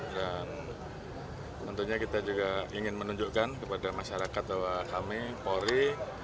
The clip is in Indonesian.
dan tentunya kita juga ingin menunjukkan kepada masyarakat bahwa kami polri